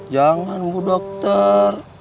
jangan bu dokter